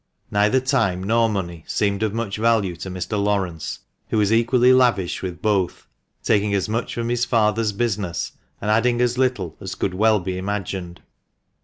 Neither time nor money seemed of much value to Mr. Laurence, who was equally lavish with both, taking as much from his father's business and adding as little as could well be imagined.